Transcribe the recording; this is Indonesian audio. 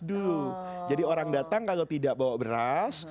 aduh jadi orang datang kalau tidak bawa beras